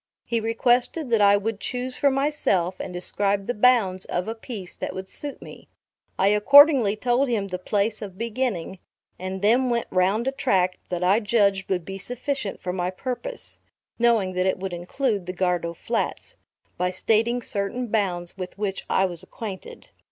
He requested that I would choose for myself and describe the bounds of a piece that would suit me. I accordingly told him the place of beginning, and then went round a tract that I judged would be sufficient for my purpose, (knowing that it would include the Gardow Flats,) by stating certain bounds with which I was acquainted.